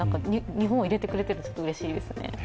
日本を入れてくれてうれしいですね。